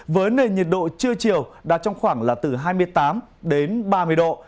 với nền nhiệt độ trưa chiều đã trong khoảng là từ hai mươi tám đến ba mươi độ